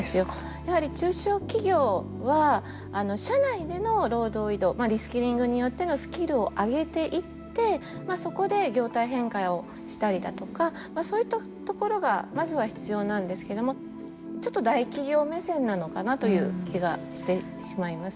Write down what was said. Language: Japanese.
やはり中小企業は社内での労働移動リスキリングによってのスキルを上げていってそこで業態変換をしたりだとかそういったところがまずは必要なんですけどもちょっと大企業目線なのかなという気がしてしまいます。